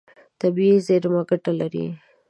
طبیعي زیرمه ګټه لري.